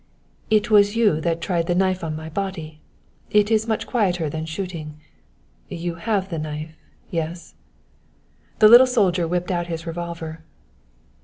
"It was you that tried the knife on my body. It is much quieter than shooting. You have the knife yes?" The little soldier whipped out his revolver.